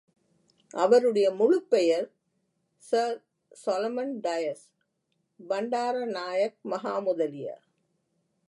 அவருடைய முழுப் பெயர், Sir Solomon Dias, Bandaranaike Maha Mudaliar!